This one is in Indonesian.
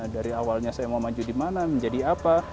dari awalnya saya mau maju dimana menjadi apa